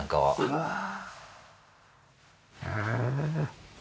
うわあ。